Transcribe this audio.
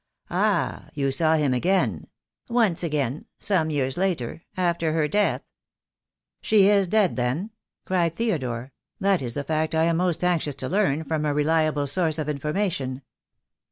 "Ah, you saw him again?" "Once again — some years later, after her death." "She is dead, then?" cried Theodore; "that is the fact I am most anxious to learn from a reliable source of information.